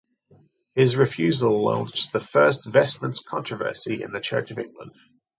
His refusal launched the first vestments controversy in the Church of England.